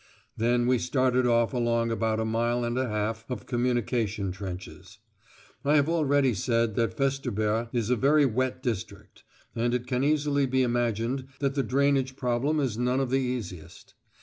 Then we started off along about a mile and a half of communication trenches. I have already said that Festubert is a very wet district, and it can easily be imagined that the drainage problem is none of the easiest.